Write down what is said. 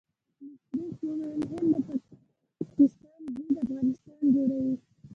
مشرف وویل هند د پاکستان ضد افغانستان جوړوي.